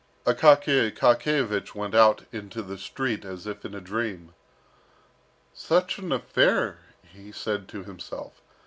Akaky Akakiyevich went out into the street as if in a dream. "Such an affair!" he said to himself.